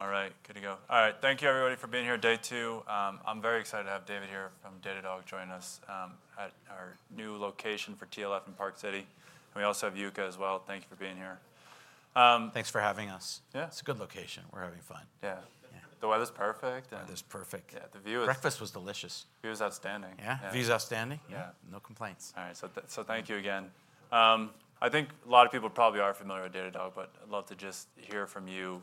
All right, good to go. All right, thank you everybody for being here at day two. I'm very excited to have David here from Datadog join us at our new location for TLF in Park City. We also have Yuka as well. Thank you for being here. Thanks for having us. Yeah, it's a good location. We're having fun. Yeah, yeah. The weather's perfect? The weather's perfect, yeah. The view is. Breakfast was delicious. View is outstanding. Yeah, view is outstanding. Yeah, no complaints. All right, thank you again. I think a lot of people probably are familiar with Datadog, but I'd love to just hear from you.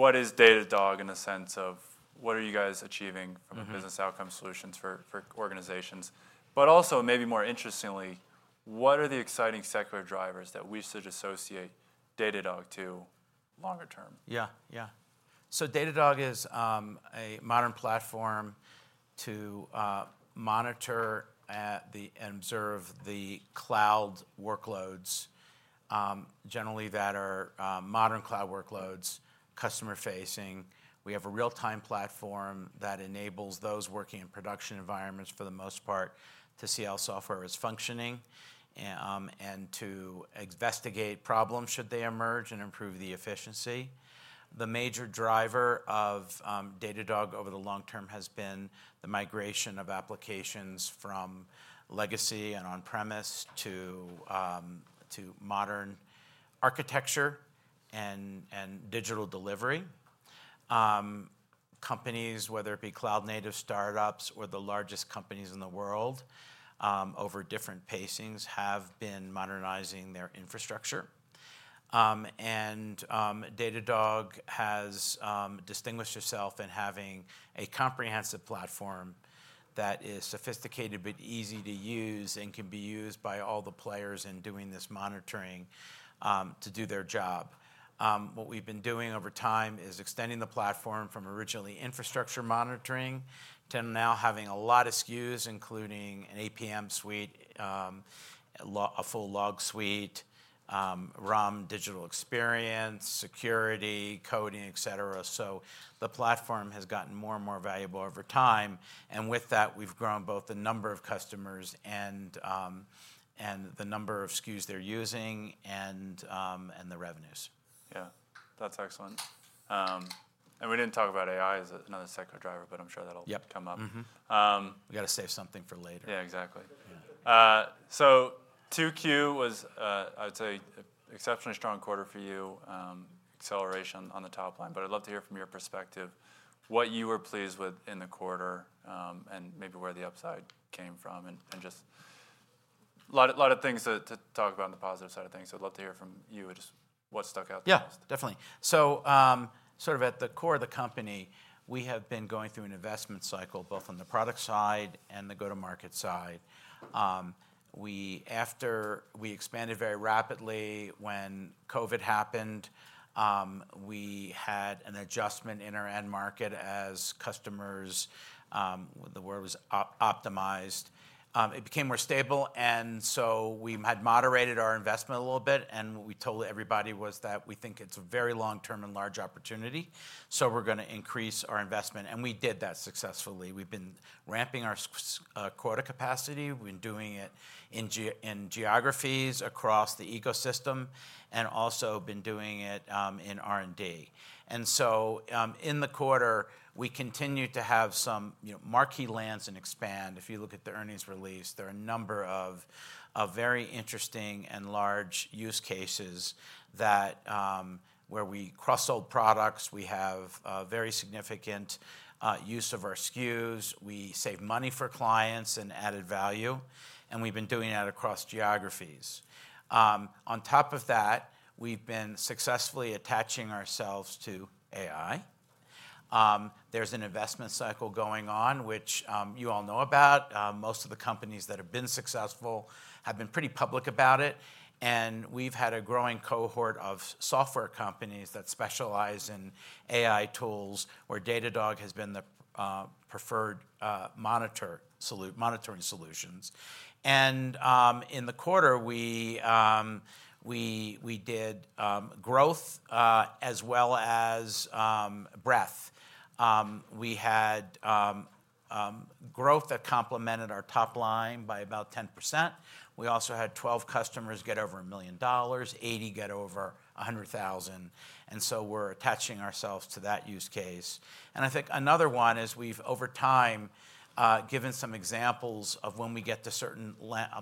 What is Datadog in the sense of what are you guys achieving from a business outcome solution for organizations? Also, maybe more interestingly, what are the exciting secular drivers that we should associate Datadog to longer term? Yeah, yeah. Datadog is a modern platform to monitor and observe the cloud workloads, generally that are modern cloud workloads, customer-facing. We have a real-time platform that enables those working in production environments for the most part to see how software is functioning and to investigate problems should they emerge and improve the efficiency. The major driver of Datadog over the long term has been the migration of applications from legacy and on-premise to modern architecture and digital delivery. Companies, whether it be cloud-native startups or the largest companies in the world over different pacings, have been modernizing their infrastructure. Datadog has distinguished itself in having a comprehensive platform that is sophisticated but easy to use and can be used by all the players in doing this monitoring to do their job. What we've been doing over time is extending the platform from originally infrastructure monitoring to now having a lot of SKUs, including an APM suite, full log suite, digital experience, security, coding, et cetera. The platform has gotten more and more valuable over time. With that, we've grown both the number of customers and the number of SKUs they're using and the revenues. Yeah, that's excellent. We didn't talk about AI as another secular driver, but I'm sure that'll come up. We got to save something for later. Yeah, exactly. 2Q was, I would say, an exceptionally strong quarter for you, acceleration on the top line. I'd love to hear from your perspective what you were pleased with in the quarter and maybe where the upside came from. There are just a lot of things to talk about on the positive side of things. I'd love to hear from you just what stuck out. Yeah, definitely. At the core of the company, we have been going through an investment cycle both on the product side and the go-to-market side. We expanded very rapidly when COVID happened. We had an adjustment in our end market as customers, the word was optimized. It became more stable, so we had moderated our investment a little bit. We told everybody that we think it's a very long-term and large opportunity. We're going to increase our investment, and we did that successfully. We've been ramping our quota capacity. We've been doing it in geographies across the ecosystem and also been doing it in R&D. In the quarter, we continue to have some marquee lands and expand. If you look at the earnings release, there are a number of very interesting and large use cases where we cross-sold products. We have very significant use of our SKUs. We save money for clients and added value, and we've been doing that across geographies. On top of that, we've been successfully attaching ourselves to AI. There's an investment cycle going on, which you all know about. Most of the companies that have been successful have been pretty public about it. We've had a growing cohort of software companies that specialize in AI tools, where Datadog has been the preferred monitoring solutions. In the quarter, we did growth as well as breadth. We had growth that complemented our top line by about 10%. We also had 12 customers get over $1 million, 80 get over $100,000. We're attaching ourselves to that use case. I think another one is we've, over time, given some examples of when we get to certain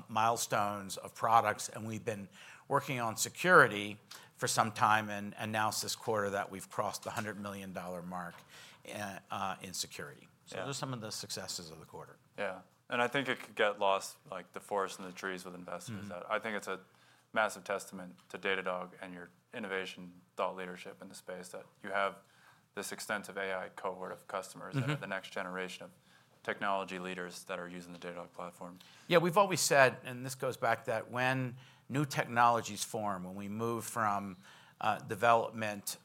milestones of products. We've been working on security for some time, and now, this quarter, we've crossed the $100 million mark in security. Those are some of the successes of the quarter. I think it could get lost like the forest in the trees with investments. I think it's a massive testament to Datadog and your innovation thought leadership in the space that you have this extensive AI cohort of customers, the next generation of technology leaders that are using the Datadog platform. Yeah, we've always said, and this goes back to that when new technologies form, when we move from development,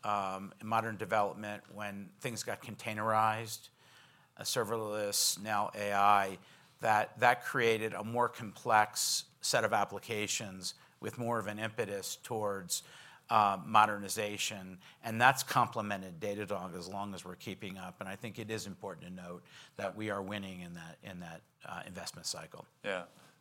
modern development, when things got containerized, serverless, now AI, that created a more complex set of applications with more of an impetus towards modernization. That's complemented Datadog as long as we're keeping up. I think it is important to note that we are winning in that investment cycle.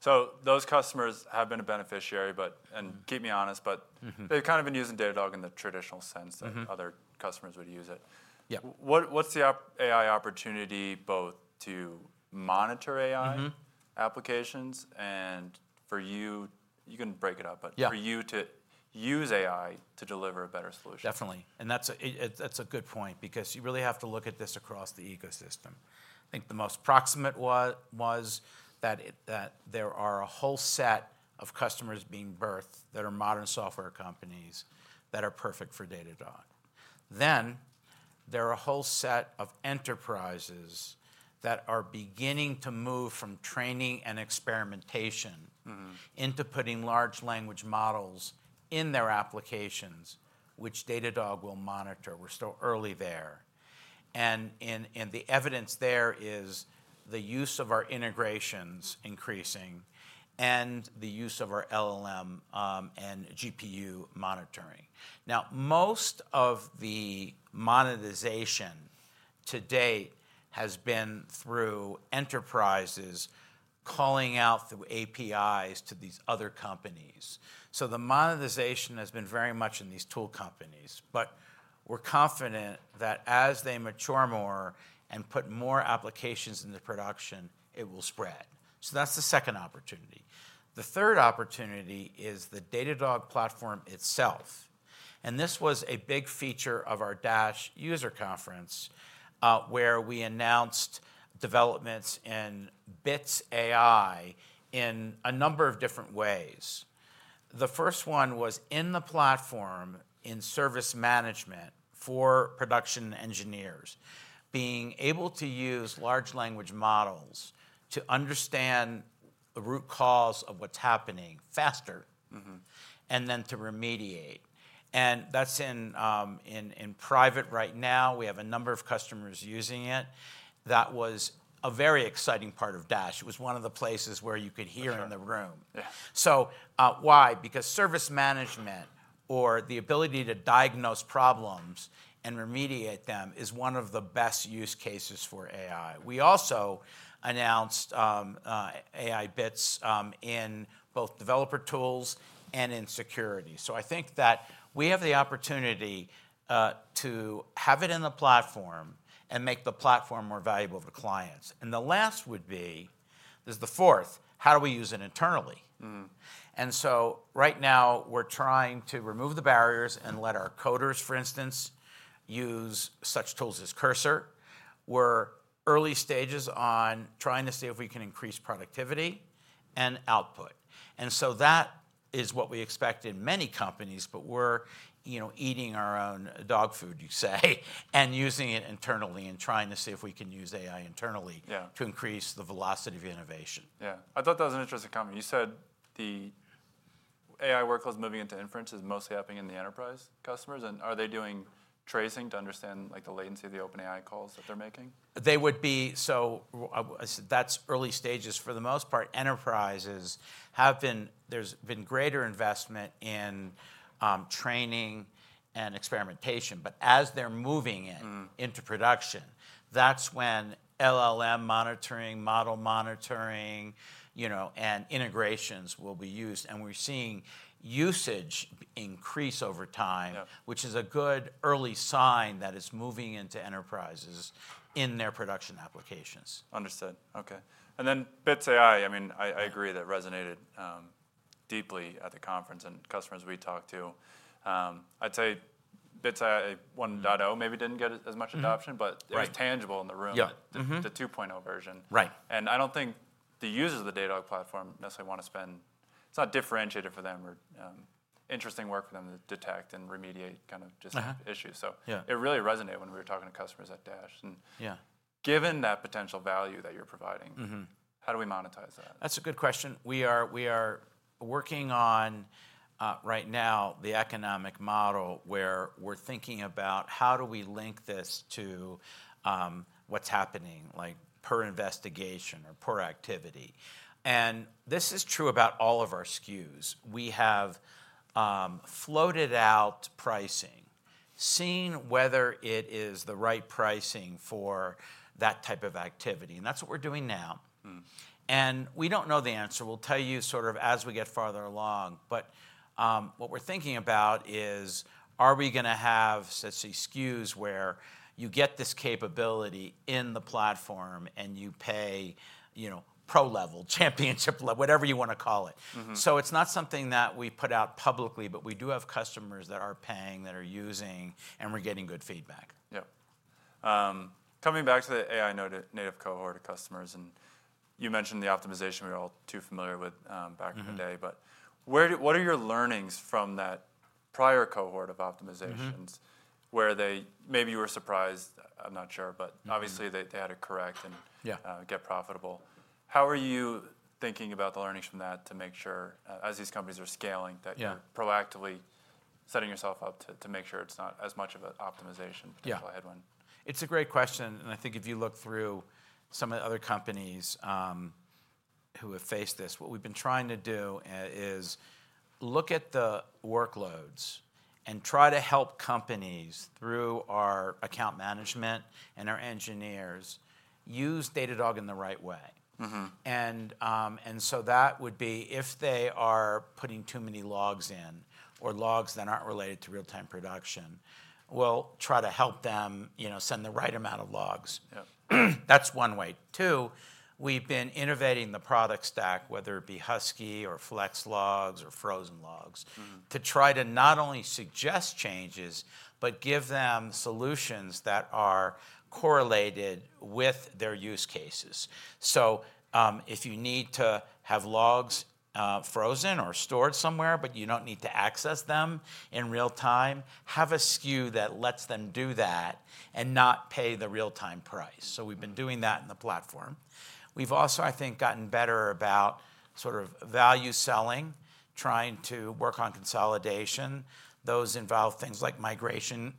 Yeah. Those customers have been a beneficiary, and keep me honest, but they've kind of been using Datadog in the traditional sense that other customers would use it. Yeah. What's the AI opportunity both to monitor AI applications and for you, you can break it up, but for you to use AI to deliver a better solution? Definitely. That's a good point because you really have to look at this across the ecosystem. I think the most proximate was that there are a whole set of customers being birthed that are modern software companies that are perfect for Datadog. There are a whole set of enterprises that are beginning to move from training and experimentation into putting large language models in their applications, which Datadog will monitor. We're still early there. The evidence there is the use of our integrations increasing and the use of our LLM and GPU monitoring. Most of the monetization to date has been through enterprises calling out through APIs to these other companies. The monetization has been very much in these tool companies. We're confident that as they mature more and put more applications into production, it will spread. That's the second opportunity. The third opportunity is the Datadog platform itself. This was a big feature of our DASH User Conference where we announced developments in Bits AI in a number of different ways. The first one was in the platform in service management for production engineers, being able to use large language models to understand the root cause of what's happening faster and then to remediate. That's in private right now. We have a number of customers using it. That was a very exciting part of DASH. It was one of the places where you could hear it in the room. Why? Because service management or the ability to diagnose problems and remediate them is one of the best use cases for AI. We also announced AI Bits in both developer tools and in security. I think that we have the opportunity to have it in the platform and make the platform more valuable to clients. The last would be, this is the fourth, how do we use it internally? Right now, we're trying to remove the barriers and let our coders, for instance, use such tools as Cursor. We're early stages on trying to see if we can increase productivity and output. That is what we expect in many companies, but we're eating our own dog food, you say, and using it internally and trying to see if we can use AI internally to increase the velocity of innovation. Yeah, I thought that was an interesting comment. You said the AI workflows moving into inference is mostly happening in the enterprise customers. Are they doing tracing to understand the latency of the OpenAI calls that they're making? That's early stages. For the most part, enterprises have been, there's been greater investment in training and experimentation. As they're moving into production, that's when LLM monitoring, model monitoring, you know, and integrations will be used. We're seeing usage increase over time, which is a good early sign that it's moving into enterprises in their production applications. Understood. OK. Bits AI, I agree that resonated deeply at the conference and customers we talked to. I'd say Bits AI 1.0 maybe didn't get as much adoption, but it was tangible in the room, the 2.0 version. Right. I don't think the users of the Datadog platform necessarily want to spend, it's not differentiated for them or interesting work for them to detect and remediate kind of just issues. It really resonated when we were talking to customers at DASH. Yeah. Given that potential value that you're providing, how do we monetize that? That's a good question. We are working on right now the economic model where we're thinking about how do we link this to what's happening, like per investigation or per activity. This is true about all of our SKUs. We have floated out pricing, seeing whether it is the right pricing for that type of activity. That's what we're doing now. We don't know the answer. We'll tell you as we get farther along. What we're thinking about is, are we going to have, say, SKUs where you get this capability in the platform and you pay pro-level, championship level, whatever you want to call it? It's not something that we put out publicly, but we do have customers that are paying, that are using, and we're getting good feedback. Yeah. Coming back to the AI native cohort of customers, and you mentioned the optimization we were all too familiar with back in the day. What are your learnings from that prior cohort of optimizations where they maybe were surprised? I'm not sure, but obviously they had to correct and get profitable. How are you thinking about the learnings from that to make sure as these companies are scaling, that you're proactively setting yourself up to make sure it's not as much of an optimization to go ahead when? It's a great question. I think if you look through some of the other companies who have faced this, what we've been trying to do is look at the workloads and try to help companies through our account management and our engineers use Datadog in the right way. That would be if they are putting too many logs in or logs that aren't related to real-time production, we'll try to help them send the right amount of logs. Yeah. That's one way. Two, we've been innovating the product stack, whether it be Husky or Flex Logs or Frozen Logs, to try to not only suggest changes, but give them solutions that are correlated with their use cases. If you need to have logs frozen or stored somewhere, but you don't need to access them in real time, have a SKU that lets them do that and not pay the real-time price. We've been doing that in the platform. We've also, I think, gotten better about sort of value selling, trying to work on consolidation. Those involve things like migration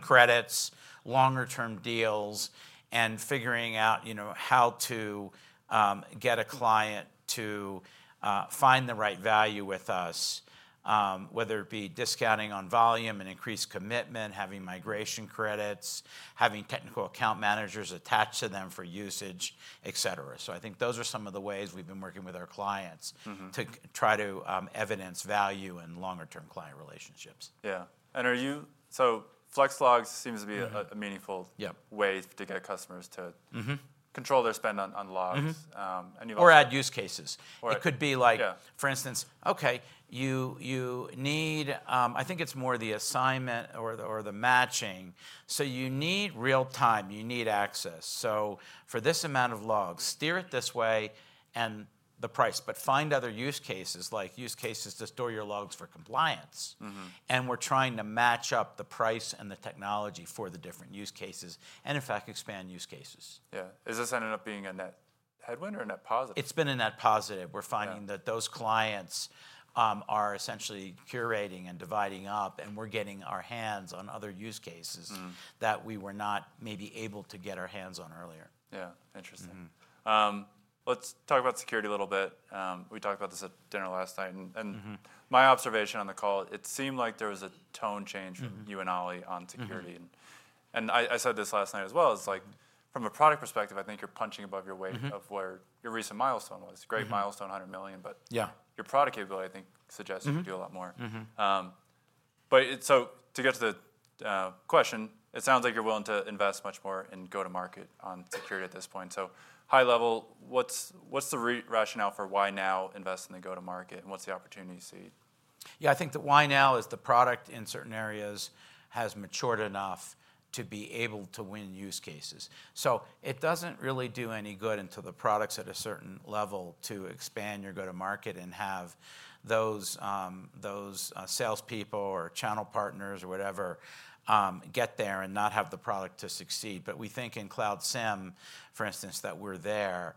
credits, longer-term deals, and figuring out how to get a client to find the right value with us, whether it be discounting on volume and increased commitment, having migration credits, having technical account managers attached to them for usage, et cetera. I think those are some of the ways we've been working with our clients to try to evidence value in longer-term client relationships. Yeah, are you, so Flex Logs seems to be a meaningful way to get customers to control their spend on logs. Add use cases. It could be, for instance, you need, I think it's more the assignment or the matching. You need real-time, you need access. For this amount of logs, steer it this way and the price, but find other use cases, like use cases to store your logs for compliance. We're trying to match up the price and the technology for the different use cases and, in fact, expand use cases. Yeah. Is this ending up being a net headwind or a net positive? It's been a net positive. We're finding that those clients are essentially curating and dividing up, and we're getting our hands on other use cases that we were not maybe able to get our hands on earlier. Yeah, interesting. Let's talk about security a little bit. We talked about this at dinner last night. My observation on the call, it seemed like there was a tone change from you and Ali on security. I said this last night as well. It's like, from a product perspective, I think you're punching above your weight of where your recent milestone was. Great milestone, $100 million. Your product capability, I think, suggests you could do a lot more. To get to the question, it sounds like you're willing to invest much more in go-to-market on security at this point. High level, what's the rationale for why now invest in the go-to-market and what's the opportunity you see? Yeah, I think the why now is the product in certain areas has matured enough to be able to win use cases. It doesn't really do any good until the product's at a certain level to expand your go-to-market and have those salespeople or channel partners or whatever get there and not have the product to succeed. We think in Cloud SIEM, for instance, that we're there.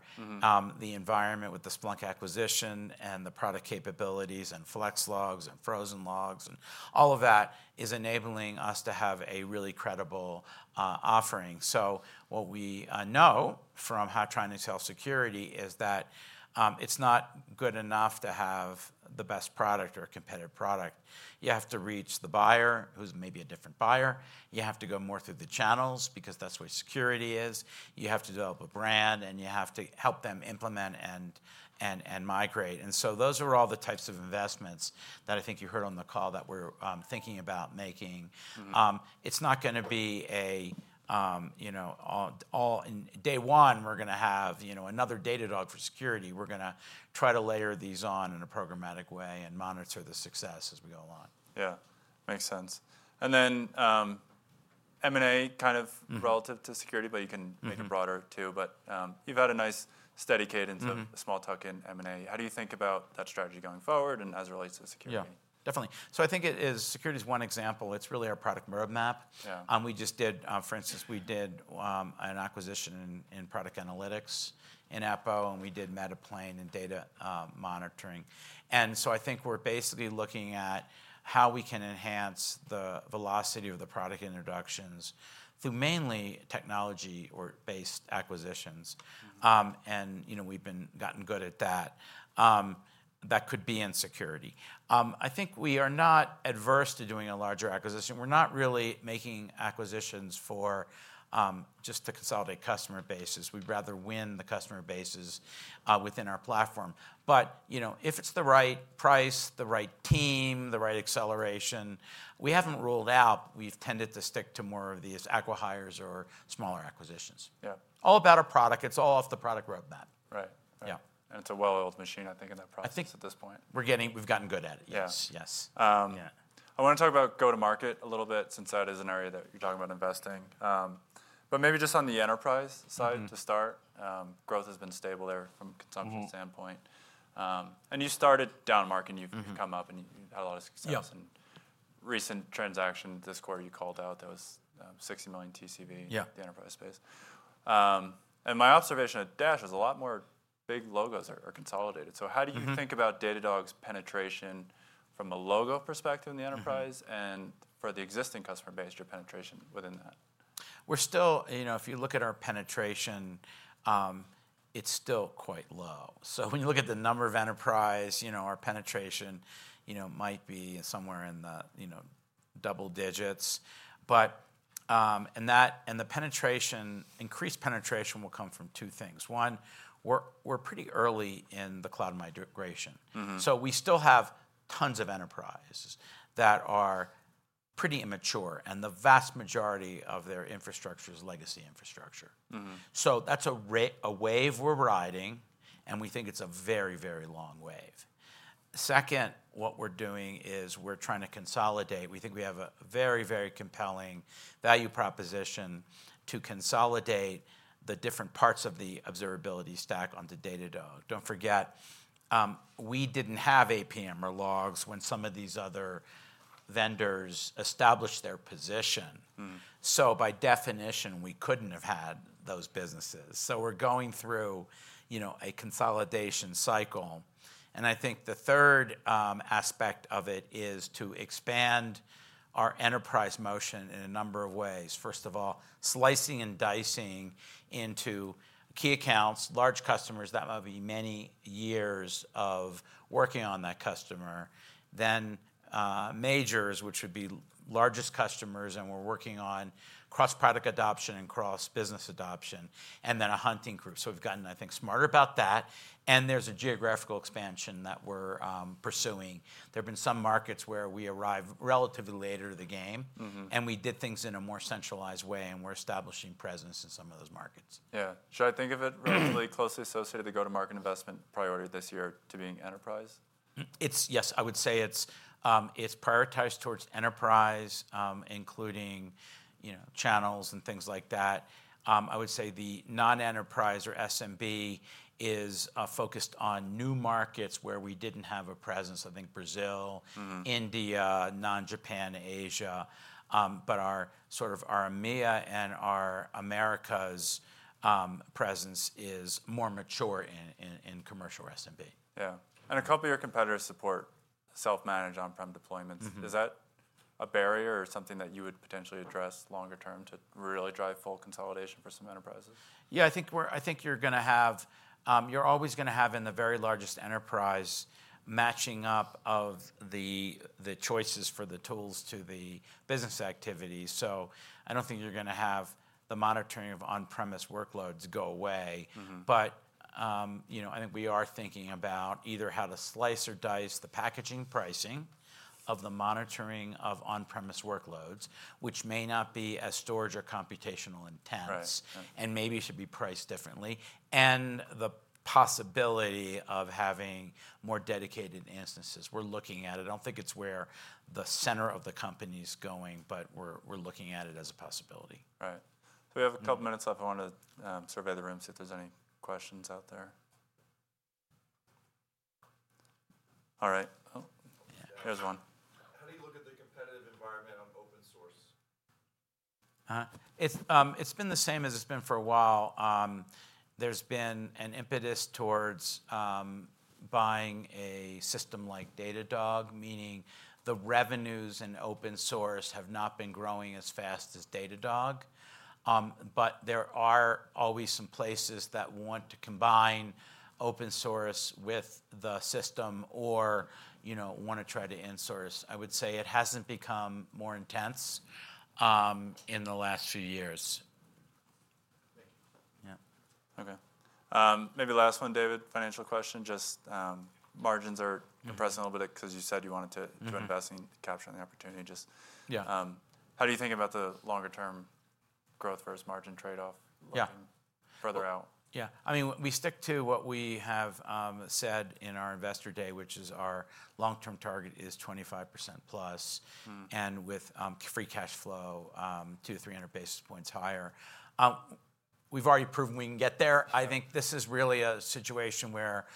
The environment with the Splunk acquisition and the product capabilities and Flex Logs and Frozen Logs and all of that is enabling us to have a really credible offering. What we know from how trying to sell security is that it's not good enough to have the best product or a competitive product. You have to reach the buyer, who's maybe a different buyer. You have to go more through the channels because that's where security is. You have to develop a brand, and you have to help them implement and migrate. Those are all the types of investments that I think you heard on the call that we're thinking about making. It's not going to be a, you know, all in day one, we're going to have another Datadog for security. We're going to try to layer these on in a programmatic way and monitor the success as we go along. Yeah, makes sense. M&A kind of relative to security, but you can make it broader too. You've had a nice steady cadence of the small talk in M&A. How do you think about that strategy going forward as it relates to security? Yeah, definitely. I think security is one example. It's really our product roadmap. We just did, for instance, an acquisition in Product Analytics in Eppo, and we did Metaplane in data monitoring. I think we're basically looking at how we can enhance the velocity of the product introductions through mainly technology-based acquisitions. We've gotten good at that. That could be in security. I think we are not adverse to doing a larger acquisition. We're not really making acquisitions just to consolidate customer bases. We'd rather win the customer bases within our platform. If it's the right price, the right team, the right acceleration, we haven't ruled out. We've tended to stick to more of these acquihires or smaller acquisitions. Yeah. All about our product. It's all off the product roadmap. Right. Yeah. It is a well-oiled machine, I think, in that process at this point. We've gotten good at it. Yes, yes. I want to talk about go-to-market a little bit since that is an area that you're talking about investing. Maybe just on the enterprise side to start, growth has been stable there from a consumption standpoint. You started down market, and you've come up, and you've had a lot of success. Yeah. The recent transaction this quarter you called out, that was $60 million TCV, the enterprise space. My observation at DASH is a lot more big logos are consolidated. How do you think about Datadog's penetration from a logo perspective in the enterprise and for the existing customer base, your penetration within that? We're still, you know, if you look at our penetration, it's still quite low. When you look at the number of enterprise, you know, our penetration, you know, might be somewhere in the double digits. The increased penetration will come from two things. One, we're pretty early in the cloud migration. We still have tons of enterprises that are pretty immature, and the vast majority of their infrastructure is legacy infrastructure. That's a wave we're riding, and we think it's a very, very long wave. Second, what we're doing is we're trying to consolidate. We think we have a very, very compelling value proposition to consolidate the different parts of the observability stack onto Datadog. Don't forget, we didn't have APM or logs when some of these other vendors established their position. By definition, we couldn't have had those businesses. We're going through a consolidation cycle. I think the third aspect of it is to expand our enterprise motion in a number of ways. First of all, slicing and dicing into key accounts, large customers that will be many years of working on that customer. Then majors, which would be largest customers, and we're working on cross-product adoption and cross-business adoption. Then a hunting group. We've gotten, I think, smarter about that. There's a geographical expansion that we're pursuing. There have been some markets where we arrived relatively later to the game, and we did things in a more centralized way, and we're establishing presence in some of those markets. Yeah. Should I think of it really closely associated with the go-to-market investment priority this year to being enterprise? Yes, I would say it's prioritized towards enterprise, including channels and things like that. I would say the non-enterprise or SMB is focused on new markets where we didn't have a presence. I think Brazil, India, non-Japan Asia. Our EMEA and our Americas presence is more mature in commercial or SMB. Yeah, a couple of your competitors support self-managed on-premise deployments. Is that a barrier or something that you would potentially address longer term to really drive full consolidation for some enterprises? Yeah, I think you're going to have, you're always going to have in the very largest enterprise matching up of the choices for the tools to the business activities. I don't think you're going to have the monitoring of on-premise workloads go away. I think we are thinking about either how to slice or dice the packaging, pricing of the monitoring of on-premise workloads, which may not be as storage or computational intense, and maybe should be priced differently. The possibility of having more dedicated instances, we're looking at it. I don't think it's where the center of the company is going, but we're looking at it as a possibility. Right. We have a couple of minutes left. I want to survey the room, see if there's any questions out there. All right. Here's one. How do you look at the competitive environment on open source? It's been the same as it's been for a while. There's been an impetus towards buying a system like Datadog, meaning the revenues in open source have not been growing as fast as Datadog. There are always some places that want to combine open source with the system or want to try to insource. I would say it hasn't become more intense in the last few years. Yeah. OK. Maybe last one, David, financial question. Just margins are compressing a little bit because you said you wanted to invest in capturing the opportunity. Yeah. How do you think about the longer-term growth versus margin trade-off? Yeah. Further out? Yeah. I mean, we stick to what we have said in our investor day, which is our long-term target is 25%+, and with free cash flow 200 basis points to 300 basis points higher. We've already proven we can get there. I think this is really a situation where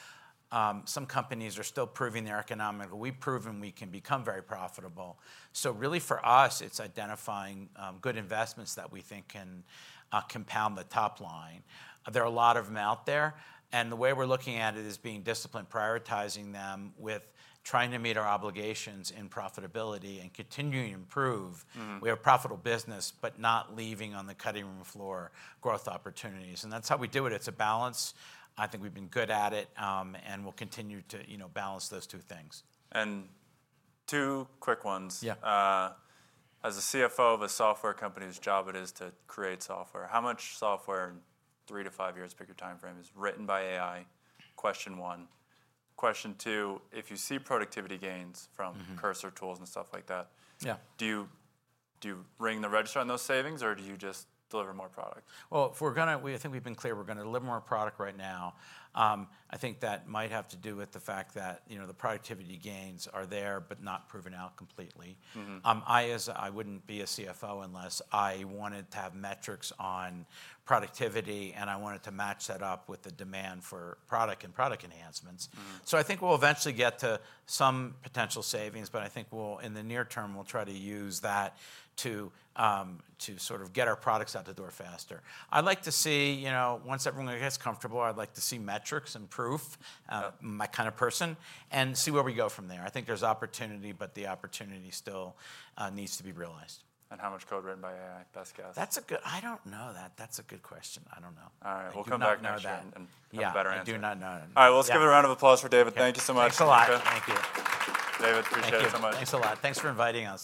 some companies are still proving they're economical. We've proven we can become very profitable. For us, it's identifying good investments that we think can compound the top line. There are a lot of them out there. The way we're looking at it is being disciplined, prioritizing them with trying to meet our obligations in profitability and continuing to improve. We have a profitable business, not leaving on the cutting room floor growth opportunities. That's how we do it. It's a balance. I think we've been good at it, and we'll continue to balance those two things. Two quick ones. Yeah. As a CFO of a software company whose job it is to create software, how much software in three to five years, pick your time frame, is written by AI? Question one. Question two, if you see productivity gains from Cursor tools and stuff like that, do you ring the register on those savings, or do you just deliver more product? I think we've been clear we're going to deliver more product right now. I think that might have to do with the fact that the productivity gains are there, but not proven out completely. I wouldn't be a CFO unless I wanted to have metrics on productivity, and I wanted to match that up with the demand for product and product enhancements. I think we'll eventually get to some potential savings, but I think in the near term, we'll try to use that to sort of get our products out the door faster. I'd like to see, you know, once everyone gets comfortable, I'd like to see metrics and proof. I'm my kind of person and see where we go from there. I think there's opportunity, but the opportunity still needs to be realized. How much code written by AI, best guess? I don't know. That's a good question. I don't know. All right, we'll come back next time and look better at it. I do not know. All right. Let's give a round of applause for David. Thank you so much. Thanks a lot. Thank you. David, appreciate it so much. Thanks a lot. Thanks for inviting us.